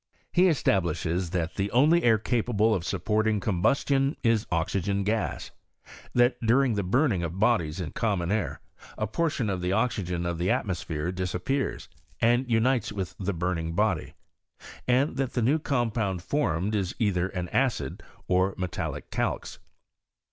He esta blishes that the only air capable of supporting com bustion is oxygen gas : that during the burning of bodies in common air, a portion of the oxygen of the atmosphere disappears, and unites with the burn ing body, and tliat the new compound formed ia either an acid or a metallic calx.